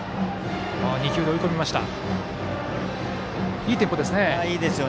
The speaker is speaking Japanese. いいテンポですね。